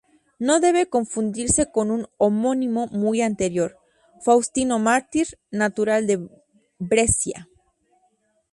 No debe confundirse con un homónimo muy anterior, Faustino mártir, natural de Brescia.